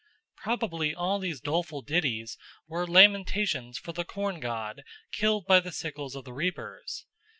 Probably all these doleful ditties were lamentations for the corn god killed by the sickles of the reapers.